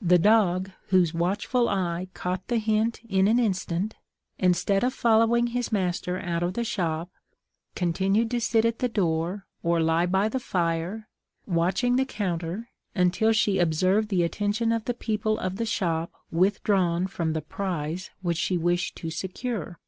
The dog, whose watchful eye caught the hint in an instant, instead of following his master out of the shop, continued to sit at the door, or lie by the fire, watching the counter, until she observed the attention of the people of the shop withdrawn from the prize which she wished to secure.